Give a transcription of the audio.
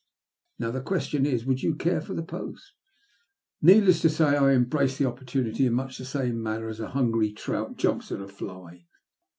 Now the question is, would you care for the post ?" Needless to say, I embraced the opportunity in much the same manner as a hungry trout jumps at a fly.